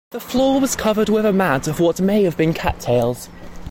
The floor was covered with a mat of what may have been cattails.